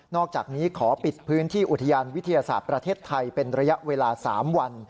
อกจากนี้ขอปิดพื้นที่อุทยานวิทยาศาสตร์ประเทศไทยเป็นระยะเวลา๓วัน